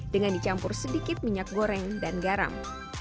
dengan dicampur sedikit minyak goreng dan garam